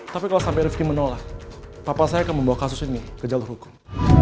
tapi kalau sampai rifki menolak papa saya akan membawa kasus ini ke jalur hukum